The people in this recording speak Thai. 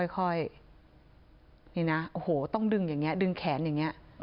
ค่อยต้องดึงแขนอย่างเงี้ย